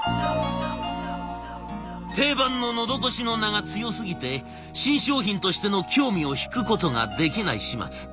定番の「のどごし」の名が強すぎて新商品としての興味を引くことができない始末。